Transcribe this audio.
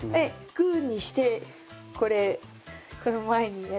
グーにしてこれこの前にやって。